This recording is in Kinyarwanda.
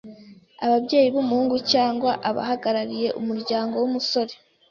ababyeyi b’umuhungu cyangwa abahagarariye umuryango w’umusore